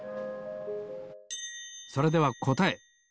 それではこたえ。